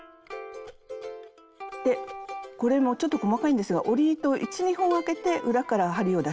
でこれもちょっと細かいんですが織り糸を１２本空けて裏から針を出します。